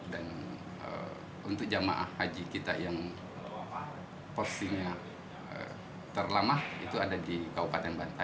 dan untuk jamaah haji kita yang porsinya terlamah itu ada di kawasan yang bantai